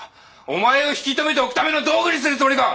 お前を引き止めておくための道具にするつもりか！